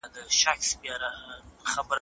خدای خو افغان ادم ته نه وای ته ورکړی شوله!